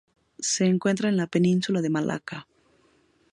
Se encuentra en la Península de Malaca.